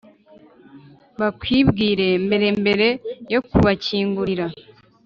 Bakwibwire mbere mbere yo kubakingurira